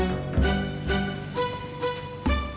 tidak ada yang bisa